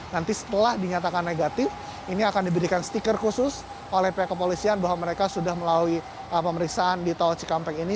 nanti setelah dinyatakan negatif ini akan diberikan stiker khusus oleh pihak kepolisian bahwa mereka sudah melalui pemeriksaan di tol cikampek ini